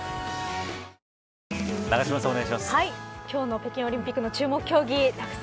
今日の北京オリンピックの注目競技